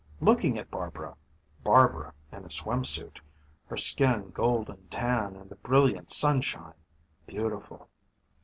Looking at Barbara Barbara in a swim suit her skin golden tan in the brilliant sunshine, beautiful.